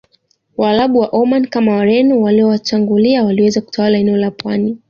Waarabu wa Omani kama Wareno waliowatangulia waliweza kutawala eneo la pwani